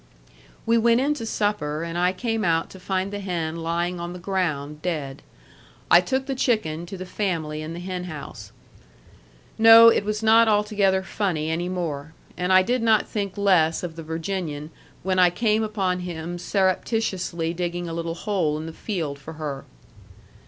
We went in to supper, and I came out to find the hen lying on the ground, dead. I took the chicken to the family in the hen house. No, it was not altogether funny any more. And I did not think less of the Virginian when I came upon him surreptitiously digging a little hole in the field for her.